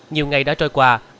nhiều ngày đã trôi qua